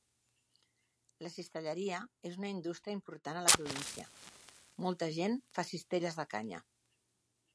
La cistelleria és una indústria important a la província; molta gent fa cistelles de canya.